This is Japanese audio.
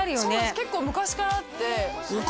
結構昔からあって女将